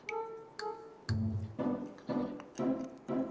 ya udah selesai